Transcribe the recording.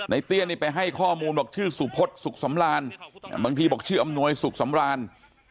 เตี้ยนี่ไปให้ข้อมูลบอกชื่อสุพศสุขสำราญบางทีบอกชื่ออำนวยสุขสำราญ